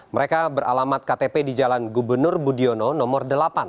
mereka beralamat ktp di jalan gubernur budiono nomor delapan